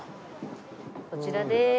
こちらです。